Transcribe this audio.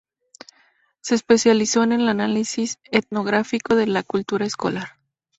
Se especializó en el análisis etnográfico de la cultura escolar.